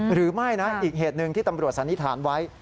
หรือไม่นะอีกเหตุหนึ่งที่ตำรวจสันนิษฐานไว้